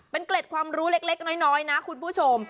เป็นเกล็ดความรู้เล็กน้อยนะคุณผู้ชม